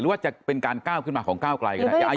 ว่าจะเป็นการก้าวขึ้นมาของก้าวไกลก็ได้